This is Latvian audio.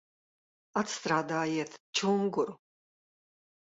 Atstrādājiet čunguru!